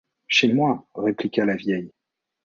Chez moi, répliqua la vieille.